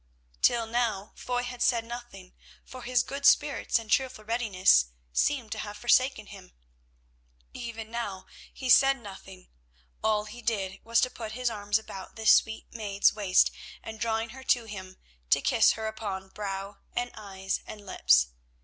Till now Foy had said nothing, for his good spirits and cheerful readiness seemed to have forsaken him. Even now he said nothing. All he did was to put his arms about this sweet maid's waist, and, drawing her to him, to kiss her upon brow and eyes and lips.